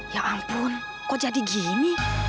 ya ampun kok jadi gini